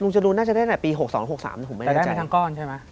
ลุงจรูนน่าจะได้ไหนปี๖๒๖๓ผมไม่แน่ใจแต่ได้ไปทั้งก้อนใช่ไหม